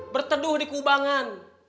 berteduh di kubangan